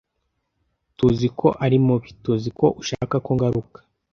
Tuziko ari mubi. Tuziko ushaka ko ngaruka.